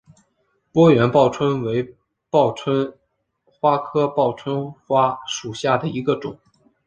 波缘报春为报春花科报春花属下的一个种。